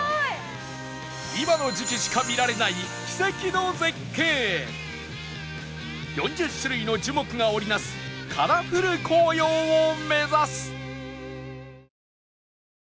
今の時期しか見られない奇跡の絶景４０種類の樹木が織り成すカラフル紅葉を目指す